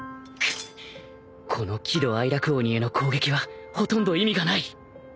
この喜怒哀楽鬼への攻撃はほとんど意味がない